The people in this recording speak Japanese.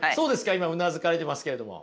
今うなずかれてますけれども。